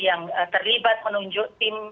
yang terlibat menunjuk tim